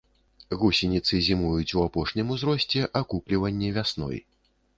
Гусеніцы зімуюць у апошнім узросце, акукліванне вясной.